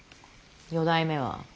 四代目は。